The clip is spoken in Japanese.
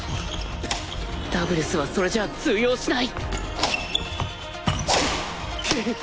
ダブルスはそれじゃ通用しないくっ。